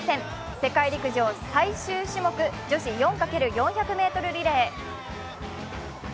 世界陸上最終種目女子４×４００ｍリレー。